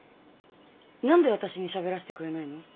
何で私にしゃべらせてくれないの？